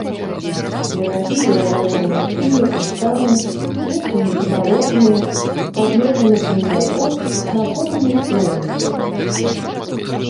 Берагі пераважна нізкія, пясчаныя, месцамі забалочаныя, пад лесам і хмызняком, на поўдні сплавінныя.